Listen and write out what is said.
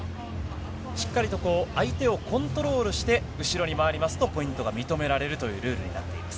しっかりと相手をコントロールして、後ろに回りますとポイントが認められるというルールになっています。